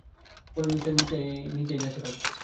বরঞ্চ সে নিজেই নাচে কম।